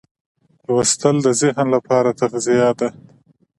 لوستل د ذهن لپاره تغذیه ده.